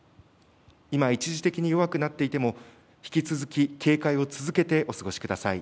今、一時的に弱くなっていても引き続き警戒を続けてお過ごしください。